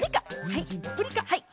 はい。